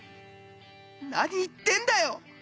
何言ってんだよ！